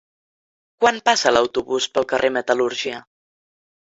Quan passa l'autobús pel carrer Metal·lúrgia?